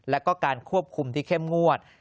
แล้วก็การควบคุมที่เข้มงวด